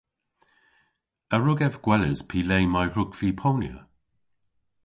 A wrug ev gweles py le may hwrug vy ponya?